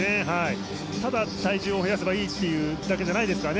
ただ、体重を増やせばいいってだけじゃないですからね。